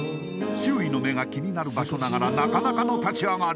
周囲の目が気になる場所ながら、なかなかの立ち上がり。